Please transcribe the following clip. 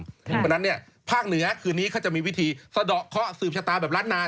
เพราะฉะนั้นเนี่ยภาคเหนือคืนนี้เขาจะมีวิธีสะดอกเคาะสืบชะตาแบบล้านนา